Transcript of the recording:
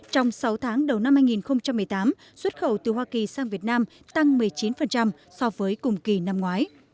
trong sáu tháng đầu năm hai nghìn một mươi tám xuất khẩu từ hoa kỳ sang việt nam tăng một mươi chín so với cùng kỳ năm ngoái